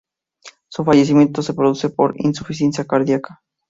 Su fallecimiento se produce por insuficiencia cardíaca.